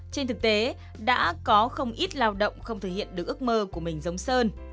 trên thực tế đã có không ít lao động không thể hiện được ước mơ của mình giống sơn